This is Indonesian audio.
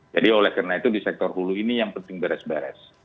jadi oleh karena itu di sektor hulu ini yang penting beres beres